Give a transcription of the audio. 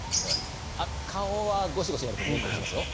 顔はゴシゴシやると目にきますよ。